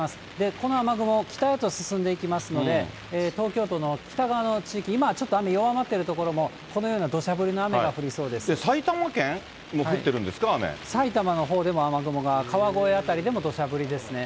この雨雲、北へと進んでいきますので、東京都の北側の地域、今はちょっと雨弱まってる所もこのようなどしゃ降りの雨が降りそ埼玉県も降ってるんですか、埼玉のほうでも雨雲が、川越辺りでもどしゃ降りですね。